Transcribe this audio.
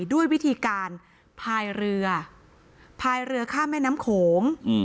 ด้วยวิธีการพายเรือพายเรือข้ามแม่น้ำโขง